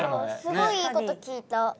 すごいいいこと聞いた。